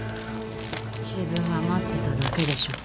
自分は待ってただけでしょ？